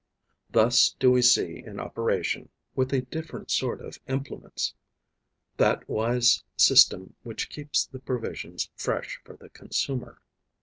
Thus do we see in operation, with a different sort of implements, that wise system which keeps the provisions fresh for the consumer.